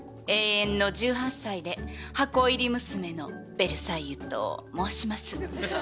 永遠の１８歳で箱入り娘のベルサイユと申します。